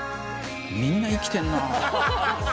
みんな生きてるなあ。